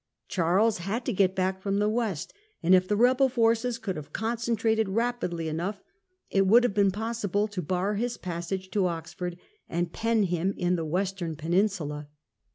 Charles had to get ment' s back from the West, and if the rebel forces *=»''"• could have concentrated rapidly enough, it would have been possible to bar his passage to Oxford and pen him in the western peninsula.